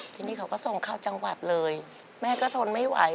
ทีนี้เขาก็ส่งเข้าจังหวัดเลยแม่ก็ทนไม่ไหว